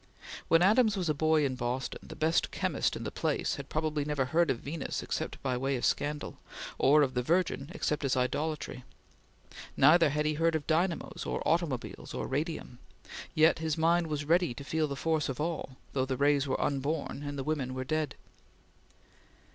When Adams was a boy in Boston, the best chemist in the place had probably never heard of Venus except by way of scandal, or of the Virgin except as idolatry; neither had he heard of dynamos or automobiles or radium; yet his mind was ready to feel the force of all, though the rays were unborn and the women were dead.